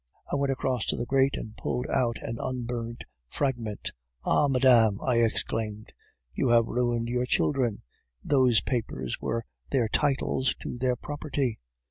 "I went across to the grate and pulled out an unburned fragment. 'Ah, madame!' I exclaimed, 'you have ruined your children! Those papers were their titles to their property.